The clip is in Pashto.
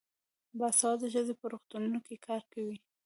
باسواده ښځې په روغتونونو کې کار کوي.